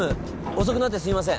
遅くなってすいません。